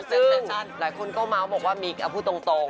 ซึ่งหลายคนก็เม้าท์บอกว่ามิคพูดตรง